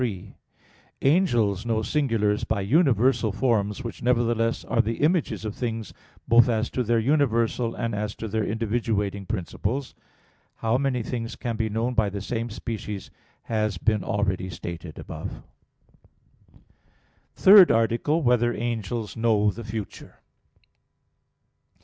3: Angels know singulars by universal forms, which nevertheless are the images of things both as to their universal, and as to their individuating principles. How many things can be known by the same species, has been already stated above (Q. 55, A. 3, ad 3). _______________________ THIRD ARTICLE [I, Q. 57, Art. 3] Whether Angels Know the Future?